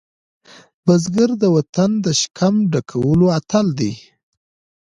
بزګر د وطن د شکم ډکولو اتل دی